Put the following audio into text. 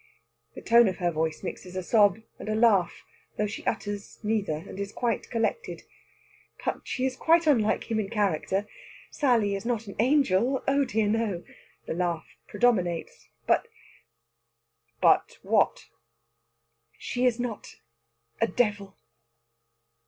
The tone of her voice mixes a sob and a laugh, although she utters neither, and is quite collected. "But she is quite unlike him in character. Sally is not an angel oh dear, no!" The laugh predominates. "But " "But what?" "She is not a devil."